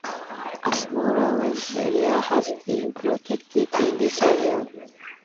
A smaller wetland area has been protected in this area.